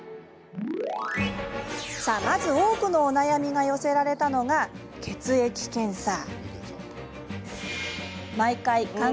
まず、多くのお悩みが寄せられたのが、血液検査。